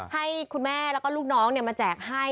ให้คุณแม่แล้วก็ลูกน้องมาแจกให้